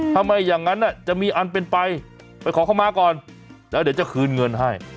อย่างนั้นจะมีอันเป็นไปไปขอเข้ามาก่อนแล้วเดี๋ยวจะคืนเงินให้